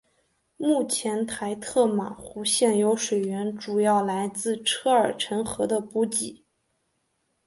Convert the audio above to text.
目前台特玛湖现有水源主要来自车尔臣河的补给。